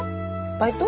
バイト？